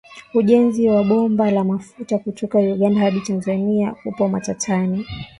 Ujenzi wa bomba la mafuta kutoka Uganda hadi Tanzania upo matatani.